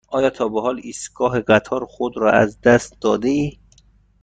آیا تا به حال ایستگاه قطار خود را از دست داده ای؟